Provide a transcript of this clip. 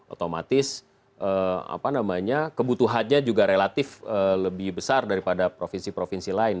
otomatis kebutuhannya juga relatif lebih besar daripada provinsi provinsi lain